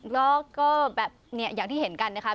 แล้วก็แบบเนี่ยอย่างที่เห็นกันนะคะ